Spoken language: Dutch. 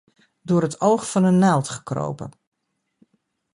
Door het oog van een naald gekropen.